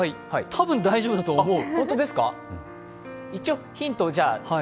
たぶん大丈夫だと思う。